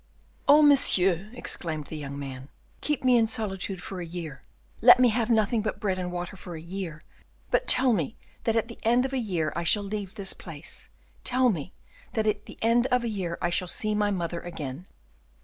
"Oh, monsieur!" exclaimed the young man, "keep me in solitude for a year, let me have nothing but bread and water for a year, but tell me that at the end of a year I shall leave this place, tell me that at the end of a year I shall see my mother again."